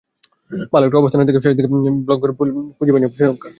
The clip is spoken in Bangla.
ভালো একটা অবস্থানে থেকেও শেষ দিকে স্লগ করে ভালো পুঁজি পায়নি শ্রীলঙ্কা।